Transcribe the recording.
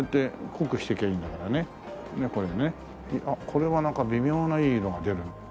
これはなんか微妙ないい色が出る。